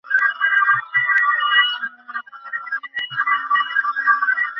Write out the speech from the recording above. কিন্তু কী করবে মা, কালের ন্যায়বুদ্ধি এখনো সে পরিমাণে বিবেক লাভ করে নি।